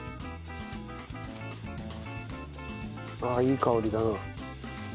ああいい香りだな。